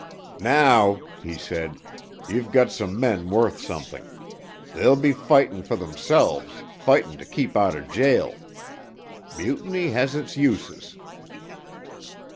"Now," he said, "ye've gut some men worth something. They'll be fightin' fer themselves fightin' to keep outern jail. Mutiny has its uses."